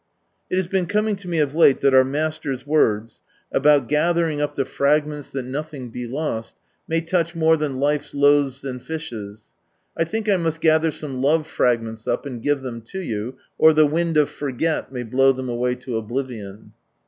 It has been coming to me of late, that our Master's words about gathering up the fraymenls that nothing be lost, may touch more than life's loaves and fishes. I think I must gather some Love frag men is up, and give them to you, or the wind of Forget may blow them away to Oblivion.